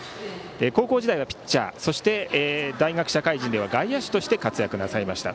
高校時代はピッチャーそして大学・社会人では外野手として活躍なさいました。